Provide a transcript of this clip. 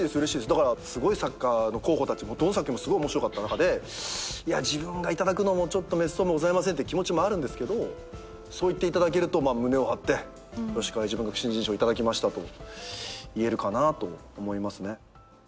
だからすごい作家の候補たちもどの作品もすごい面白かった中で自分が頂くのもちょっとめっそうもございませんって気持ちもあるんですけどそう言っていただけると胸を張って吉川英治文学新人賞頂きましたと言えるかなと思いますね。